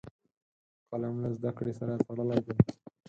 قلم له زده کړې سره تړلی دی